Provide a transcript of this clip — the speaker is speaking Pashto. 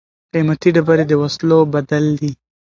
قیمتي ډبرې د وسلو بدل دي.